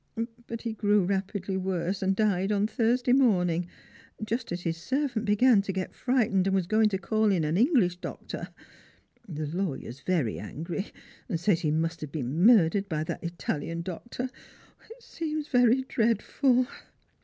But he grew rapidly worse, and died on Thursday morning, just as his servant began to get frightened and was going to call in an English doctor. The lawyer is very angry, and says he must have been murdered by that Italian doctor. It seems very dreadful."